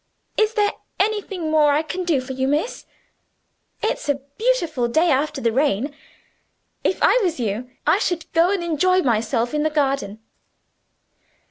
Is there anything more I can do for you, miss? It's a beautiful day after the rain. If I was you, I should go and enjoy myself in the garden."